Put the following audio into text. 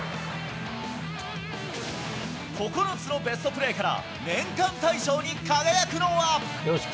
９つのベストプレーから、年間大賞に輝くのは？